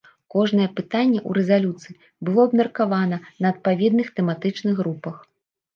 Кожнае пытанне ў рэзалюцыі было абмеркавана на адпаведных тэматычных групах.